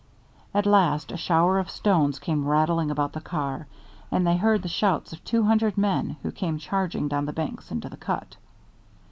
At last a shower of stones came rattling about the car, and they heard the shouts of two hundred men who came charging down the banks into the cut.